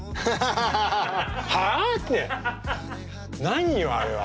何よ！